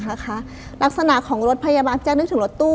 นะคะลักษณะของรถพยาบาลเจ้านึกถึงรถตู้อ่ะ